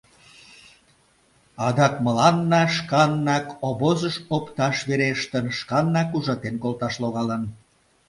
Адак мыланна шканнак обозыш опташ верештын, шканнак ужатен колташ логалын.